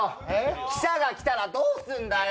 汽車が来たらどうすんだよ。